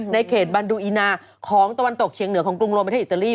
ในเขตบันดูอีนาของตะวันตกเชียงเหนือของกรุงรวมประเทศอิตาลี